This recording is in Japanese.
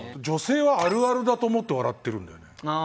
女性はあるあるだと思って笑ってるんだよね。